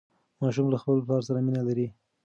ماشوم له خپل پلار سره مینه لري.